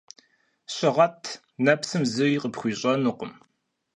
Щыгъэт, нэпсым зыри къыпхуищӀэнукъым.